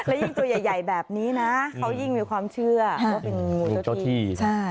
และยิ่งตัวใหญ่แบบนี้นะเขายิ่งมีความเชื่อว่าเป็นงูเจ้าที่